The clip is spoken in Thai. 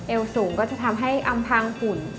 สูงก็จะทำให้อำพังฝุ่น